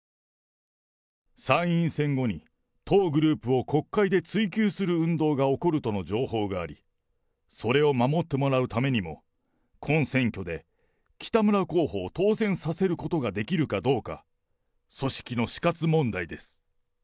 参院選後に、当グループを国会で追及する運動が起こるとの情報があり、それを守ってもらうためにも、今選挙で、北村候補を当選させることができるかどうか、組織の死活問題です。